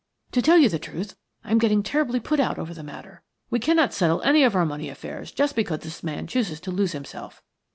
"To tell you the truth, I am getting terribly put out over the matter. We cannot settle any of our money affairs just because this man chooses to lose himself.